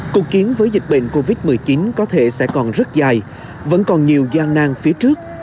cuộc chiến với dịch bệnh covid một mươi chín có thể sẽ còn rất dài vẫn còn nhiều gian nang phía trước